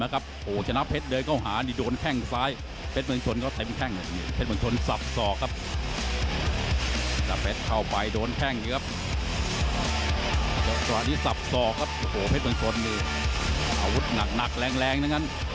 อาวุธหนักแรงดังนั้น